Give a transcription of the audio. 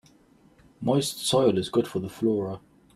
Moist soil is good for the flora.